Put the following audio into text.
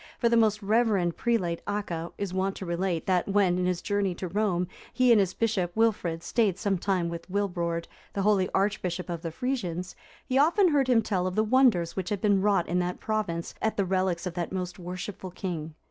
For the most reverend prelate, Acca,(352) is wont to relate, that when, in his journey to Rome,(353) he and his bishop Wilfrid stayed some time with Wilbrord,(354) the holy archbishop of the Frisians, he often heard him tell of the wonders which had been wrought in that province at the relics of that most worshipful king.